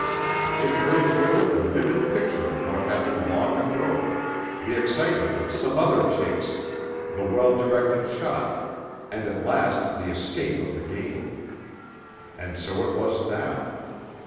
It brings with it a vivid picture of what happened long ago, the excitement of some other chase, the well directed shot, and at last the escape of the game. And so it was now.